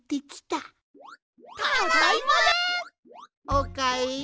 おかえり。